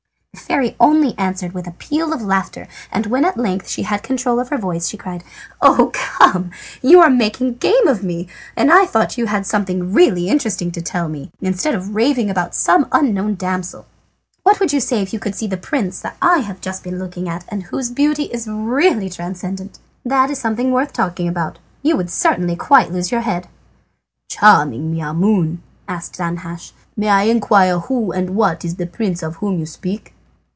The fairy only answered with a peal of laughter, and when at length she had control of her voice she cried, "Oh, come, you are making game of me! I thought you had something really interesting to tell me instead of raving about some unknown damsel. What would you say if you could see the prince I have just been looking at and whose beauty is really transcendent? That is something worth talking about, you would certainly quite lose your head." "Charming Maimoune," asked Danhasch, "may I inquire who and what is the prince of whom you speak?"